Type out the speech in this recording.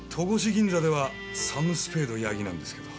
銀座ではサム・スペード・矢木なんですけど。